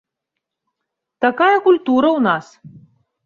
Такая культура ў нас.